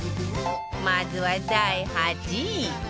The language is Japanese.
まずは第８位